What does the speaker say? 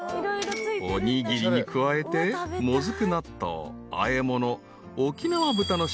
［おにぎりに加えてもずく納豆あえ物］